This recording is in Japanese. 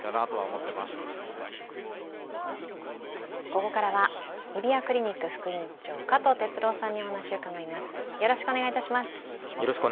ここからは日比谷クリニック副院長、加藤哲朗さんにお話を伺います。